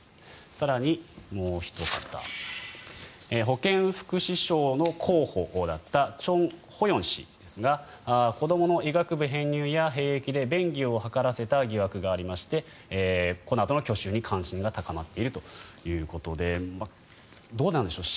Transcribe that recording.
更に、もうおひと方保健福祉相の候補だったチョン・ホヨン氏ですが子どもの医学部編入や兵役で便宜を図らせた疑惑がありましてこのあとの去就に関心が高まっているということでどうなんでしょう